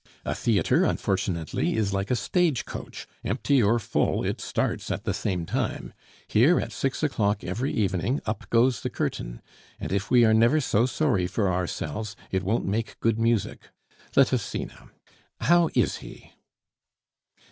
A theatre, unfortunately, is like a stage coach: empty or full, it starts at the same time. Here at six o'clock every evening, up goes the curtain; and if we are never sorry for ourselves, it won't make good music. Let us see now how is he?"